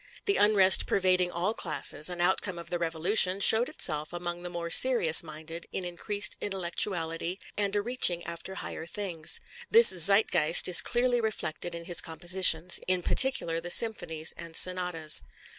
The unrest pervading all classes, an outcome of the Revolution, showed itself among the more serious minded in increased intellectuality, and a reaching after higher things. This Zeitgeist is clearly reflected in his compositions, in particular the symphonies and sonatas.